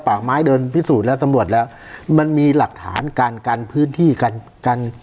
ปากไม้เดินพิสูจน์แล้วสำรวจแล้วมันมีหลักฐานการกันพื้นที่กันกัน